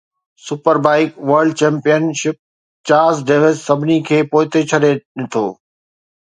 super bike world championship Chaz Davies سڀني کي پوئتي ڇڏي ٿو